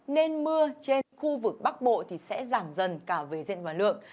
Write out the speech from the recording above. nên mưa trên khu vực bắc bộ thì sẽ giảm dần cả về diện và lượng